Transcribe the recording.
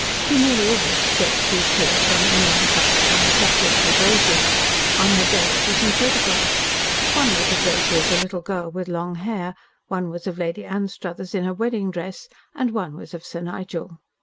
She nearly always shed a few tears when anyone touched upon the subject of Rosy. On her desk were some photographs. One was of Rosy as a little girl with long hair, one was of Lady Anstruthers in her wedding dress, and one was of Sir Nigel.